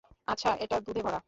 আচ্ছা, এটা দুধে ভরা।